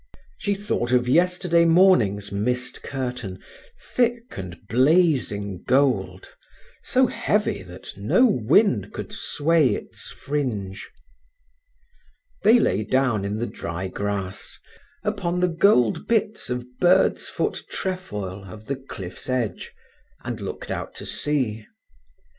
She thought of yesterday morning's mist curtain, thick and blazing gold, so heavy that no wind could sway its fringe. They lay down in the dry grass, upon the gold bits of bird's foot trefoil of the cliff's edge, and looked out to sea.